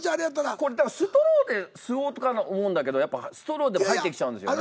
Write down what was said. これだからストローで吸おうとか思うんだけどやっぱストローでも入ってきちゃうんですよね。